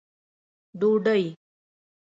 ډوډۍ